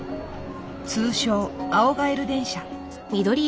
通称青ガエル電車。